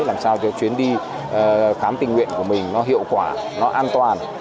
làm sao cho chuyến đi khám tình nguyện của mình nó hiệu quả nó an toàn